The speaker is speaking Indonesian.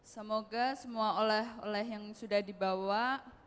semoga semua oleh oleh yang sudah dibawa